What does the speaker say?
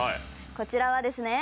こちらはですね